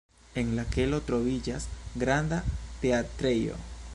En la kelo troviĝas granda teatrejo.